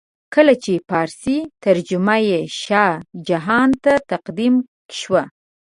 کله چې فارسي ترجمه یې شاه جهان ته تقدیم شوه.